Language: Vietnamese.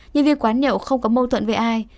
nhân viên quán nhậu không có mâu thuẫn với ai